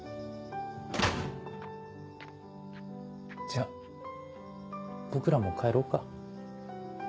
じゃあ僕らも帰ろうか。